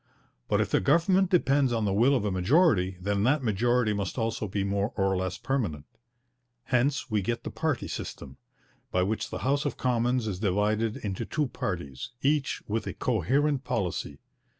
But if the government depends on the will of a majority, then that majority must also be more or less permanent. Hence we get the party system, by which the House of Commons is divided into two parties, each with a coherent policy.